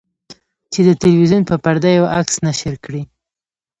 چې د تلویزیون په پرده یو عکس نشر کړي.